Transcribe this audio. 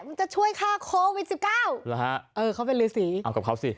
มันจะช่วยฆ่าโควิดสิบเก้าหรือฮะเออเขาเป็นฤษีเอากับเขาสิ